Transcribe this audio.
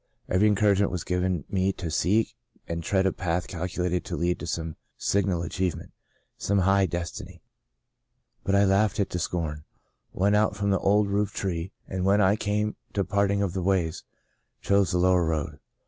Every encouragement was given me to seek and 174 The Second Spring tread a path calculated to lead to some signal achievement — some high destiny. But I laughed it to scorn, went out from the old roof tree, and when I came to the part ing of the ways, chose the lower road.